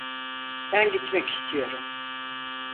Ben gitmek istiyorum.